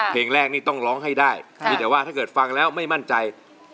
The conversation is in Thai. เพลงแรกนี่ต้องร้องให้ได้มีแต่ว่าถ้าเกิดฟังแล้วไม่มั่นใจ